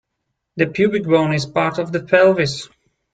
The pubic bone is part of the pelvis.